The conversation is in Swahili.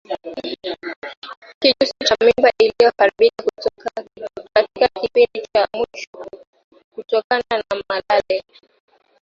Kijusi cha mimba iliyoharibika katika kipindi cha mwisho kutokana na malale